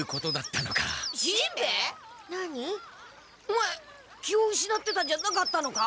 オマエ気をうしなってたんじゃなかったのか？